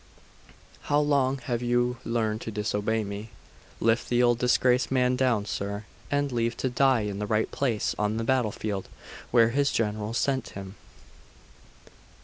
'How long have you learned to disobey me? Lift the old disgraced man down, sir, and leave to die in the right place on the battlefield where his general sent him.